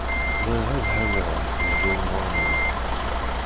Bɣiɣ ad hedreɣ i John Warner.